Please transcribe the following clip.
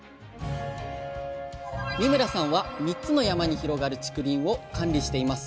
三村さんは３つの山に広がる竹林を管理しています。